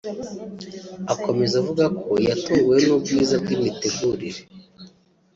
Akomeza avuga ko yatunguwe n’ubwiza bw’imitegurire